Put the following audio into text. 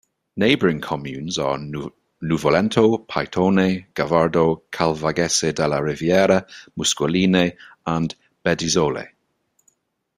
Neighbouring communes are Nuvolento, Paitone, Gavardo, Calvagese della Riviera, Muscoline and Bedizzole.